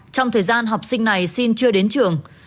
trong thời gian học sinh này xin chưa đến trường